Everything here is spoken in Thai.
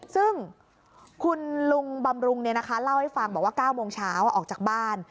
ซึ่งคุณลุงบำรุงเล่าให้ฟังบอกว่า๙โมงเช้าออกจากบ้าน